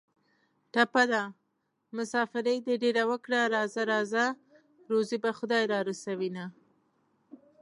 ټپه ده: مسافري دې ډېره وکړه راځه راځه روزي به خدای را رسوینه